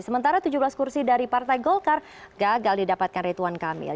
sementara tujuh belas kursi dari partai golkar gagal didapatkan rituan kamil